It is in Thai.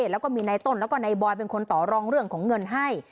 แล้วก็มีในต้นแล้วก็นายบอยเป็นคนต่อรองเรื่องของเงินให้